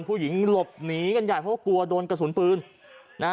ผู้หญิงหลบหนีกันใหญ่เพราะว่ากลัวโดนกระสุนปืนนะฮะ